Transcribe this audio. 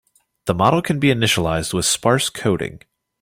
The model can be initialized with sparse coding.